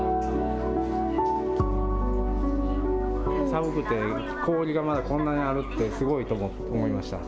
寒くて氷がまだこんなにあるってすごいと思いました。